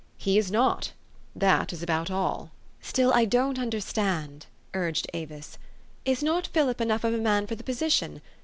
He is not : that is about all." ''Still I don't understand," urged Avis. "Is not Philip enough of a man for the position